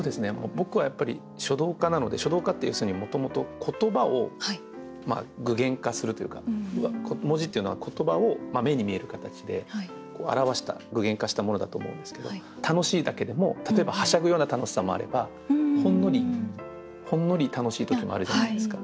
僕はやっぱり書道家なので書道家って要するにもともと言葉を具現化するというか文字っていうのは言葉を目に見える形で表した具現化したものだと思うんですけど楽しいだけでも例えばはしゃぐような楽しさもあればほんのりほんのり楽しい時もあるじゃないですか。